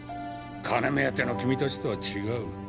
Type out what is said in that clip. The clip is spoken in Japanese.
金目当ての君達とは違う。